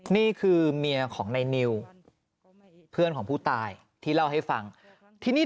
นี่คือเมียของในนิวเพื่อนของผู้ตายที่เล่าให้ฟังทีนี้